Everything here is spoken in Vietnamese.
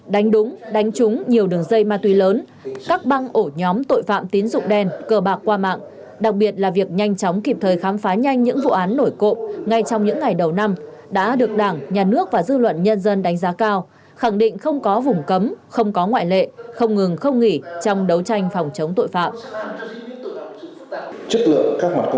đánh đúng đánh trúng nhiều đường dây ma tuy lớn các băng ổ nhóm tội phạm tín dụng đen cờ bạc qua mạng đặc biệt là việc nhanh chóng kịp thời khám phá nhanh những vụ án nổi cộng ngay trong những ngày đầu năm đã được đảng nhà nước và dư luận nhân dân đánh giá cao khẳng định không có vùng cấm không có ngoại lệ không ngừng không nghỉ trong đấu tranh phòng chống tội phạm